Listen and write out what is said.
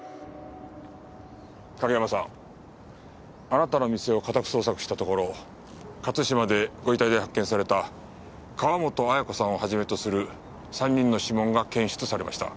あなたの店を家宅捜索したところ勝島でご遺体で発見された川本綾子さんをはじめとする３人の指紋が検出されました。